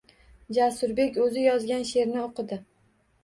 Jasurbek oʻzi yozgan sheʼrni oʻqidi.